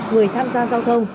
người tham gia giao thông